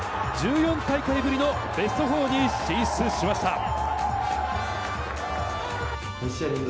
１４大会ぶりのベスト４に進出しました。